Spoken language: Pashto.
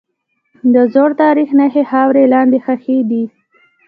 د زوړ تاریخ نښې خاورې لاندې ښخي دي.